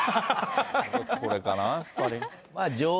僕、これかな、やっぱり。